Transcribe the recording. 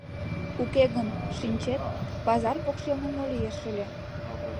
Уке гын, шинчет, пазар покшелне мо лиеш ыле?